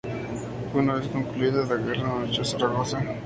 Una vez concluida la guerra, marchó a Zaragoza.